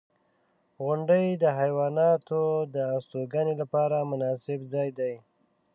• غونډۍ د حیواناتو د استوګنې لپاره مناسب ځای دی.